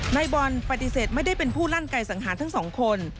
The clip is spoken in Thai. นายบอลปฏิเสธไม่ได้เป็นผู้ลั่นไก่สังหารทั้งสองคน